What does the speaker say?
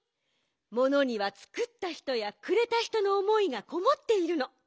ものにはつくったひとやくれたひとのおもいがこもっているの。